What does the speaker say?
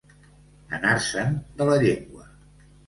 Anar-se'n de la llengua.